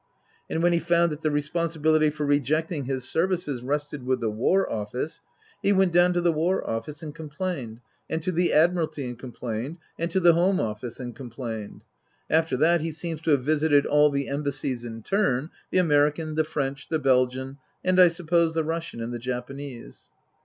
And when he found that the responsibility for rejecting his services rested with the War Office, he went down to the War Office and complained, and to the Admiralty and complained, and to the Home Oifice and complained. After that he seems to have visited all the Embassies in turn the American, the French, the Belgian, and I suppose the Russian and the Japanese.